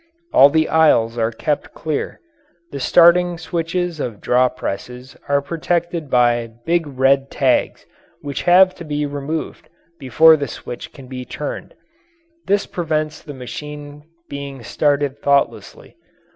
All the aisles are kept clear. The starting switches of draw presses are protected by big red tags which have to be removed before the switch can be turned this prevents the machine being started thoughtlessly.